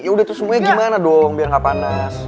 yaudah terus semuanya gimana dong biar gak panas